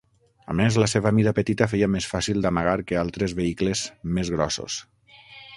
A més, la seva mida petita feia més fàcil d'amagar que altres vehicles més grossos.